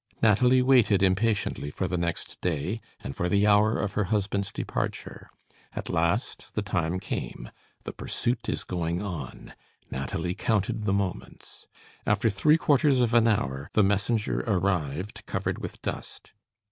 Nathalie waited impatiently for the next day, and for the hour of her husband's departure. At last, the time came the pursuit is going on Nathalie counted the moments. After three quarters of an hour, the messenger arrived, covered with dust.